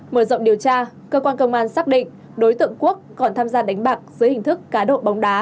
mở rộng điều tra cơ quan công an xác định đối tượng quốc còn tham gia đánh bạc dưới hình thức cá độ bóng đá